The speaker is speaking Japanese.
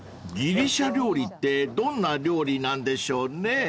［ギリシャ料理ってどんな料理なんでしょうね？］